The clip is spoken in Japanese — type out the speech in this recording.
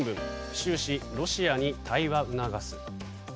習氏、ロシアに対話促す。